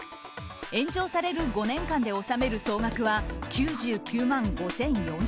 延長される５年間で納める総額は９９万５４００円。